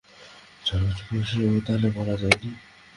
চার বছর বয়সে ও তাহলে মারা যায় নি?